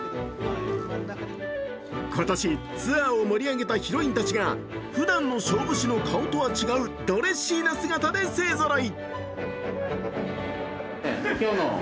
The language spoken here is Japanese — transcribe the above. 今年、ツアーを盛り上げたヒロインたちがふだんの勝負師の顔とは違うドレッシーな姿で勢ぞろい。